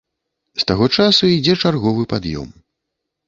З таго часу ідзе чарговы пад'ём.